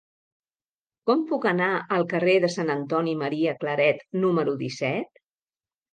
Com puc anar al carrer de Sant Antoni Maria Claret número disset?